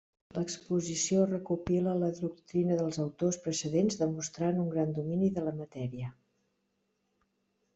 L'exposició recopila la doctrina dels autors precedents demostrant un gran domini de la matèria.